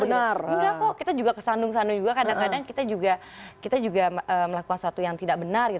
benar enggak kok kita juga kesandung sandung juga kadang kadang kita juga melakukan sesuatu yang tidak benar